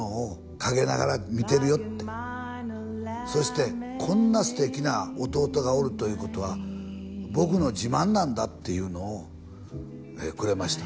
「陰ながら見てるよ」ってそしてこんな素敵な弟がおるということは僕の自慢なんだっていうのをくれました